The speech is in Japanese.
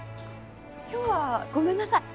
今日はごめんなさい。